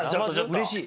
うれしい。